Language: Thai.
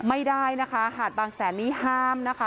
ไม่ได้นะคะหาดบางแสนนี่ห้ามนะคะ